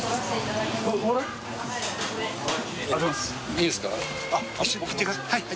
いいですか？